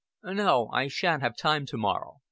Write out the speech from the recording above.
"No, I shan't have time to morrow.